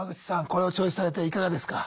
これをチョイスされていかがですか？